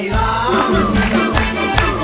เฮ้ยโอเค